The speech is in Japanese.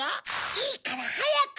いいからはやく！